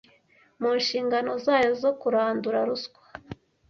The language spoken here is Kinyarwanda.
mu nshingano zayo zo kurandura ruswa